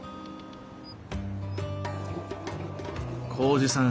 紘二さん